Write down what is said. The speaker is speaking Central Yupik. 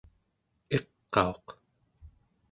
iqauq